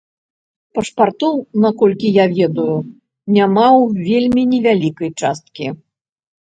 Пашпартоў, наколькі я ведаю, няма ў вельмі невялікай часткі.